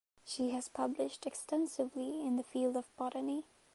She has published extensively in the field of botany.